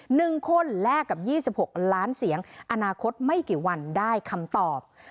หนึ่งคนแลกกับยี่สิบหกล้านเสียงอนาคตไม่กี่วันได้คำตอบ